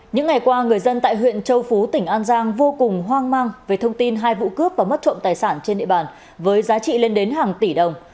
những ngày qua người dân tại huyện châu phú tỉnh an giang vô cùng hoang mang về thông tin hai vụ cướp và mất trộm tài sản trên địa bàn với giá trị lên đến hàng tỷ đồng